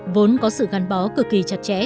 vốn có sự gắn bó cực kỳ chặt chẽ